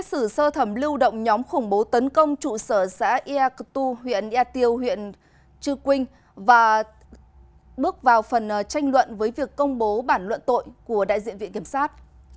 các xét xử sơ thẩm lưu động nhóm khủng bố tấn công trụ sở xã iatu huyện ia tiêu huyện chư quynh và bước vào phần tranh luận với việc công bố bản luận tội của đại diện viện kiểm sát